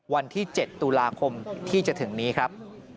วันที่๗ตุลาคมที่จะถึงนี้ครับ